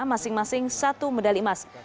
masing masing satu medali emas